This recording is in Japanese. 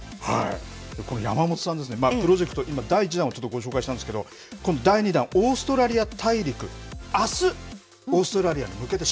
この山本さんですね、プロジェクト、今、第１弾をご紹介したんですけど、今度第２弾、オーストラリア大陸、あす、オーストラリア